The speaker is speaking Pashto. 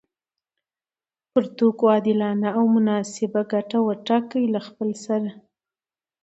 پر توکو عادلانه او مناسب ګټه وټاکي له خپلسري